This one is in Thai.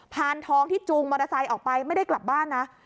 พานทองที่จูงมอเตอร์ไซค์ออกไปไม่ได้กลับบ้านนะ